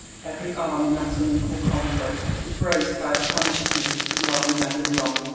Every arm in that unequal conflict ■was braced by the consciousness of some well remembered wrons?